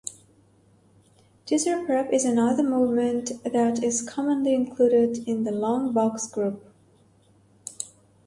Teaser Prep is another movement that is commonly included in the Long Box Group.